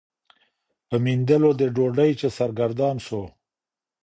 په میندلو د ډوډۍ چي سرګردان سو